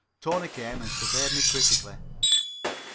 Tony came and surveyed me critically.